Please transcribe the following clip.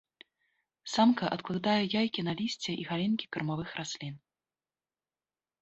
Самка адкладае яйкі на лісце і галінкі кармавых раслін.